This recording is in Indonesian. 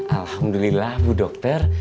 alhamdulillah bu dokter